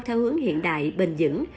theo hướng hiện đại bền dững